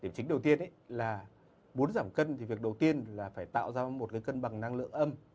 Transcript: điểm chính đầu tiên là muốn giảm cân thì việc đầu tiên là phải tạo ra một cân bằng năng lượng âm